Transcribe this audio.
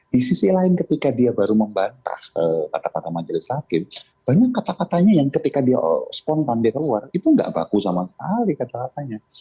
di sisi lain ketika dia baru membantah kata kata majelis hakim banyak kata katanya yang ketika dia spontan dia keluar itu nggak baku sama sekali kata katanya